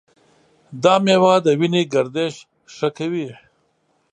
دا میوه د وینې گردش ښه کوي.